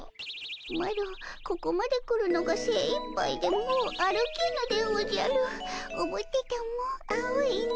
マロここまで来るのがせいいっぱいでもう歩けぬでおじゃる。おぶってたも青いの。